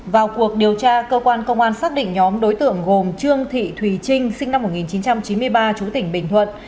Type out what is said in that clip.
vào cuộc điều tra cơ quan công an xác định nhóm đối tượng gồm trương thị thùy trinh sinh năm một nghìn chín trăm chín mươi ba chú tỉnh bình thuận